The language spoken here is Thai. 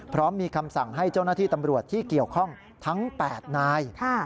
พร้อมมีคำสั่งให้เจ้าหน้าที่ตำรวจที่เกี่ยวข้องทั้ง๘นาย